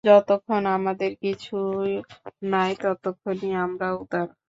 যতক্ষণ আমাদের কিছু নাই, ততক্ষণই আমরা উদার।